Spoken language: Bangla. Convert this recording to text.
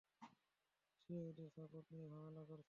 সে ওদের সাপোর্ট নিয়ে ঝামেলা করছে।